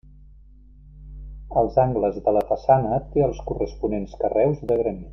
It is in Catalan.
Als angles de la façana té els corresponents carreus de granit.